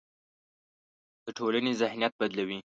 د ټولنې ذهنیت بدلوي.